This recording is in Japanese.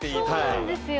そうなんですよ。